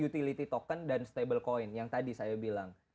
utility token dan stable coin yang tadi saya bilang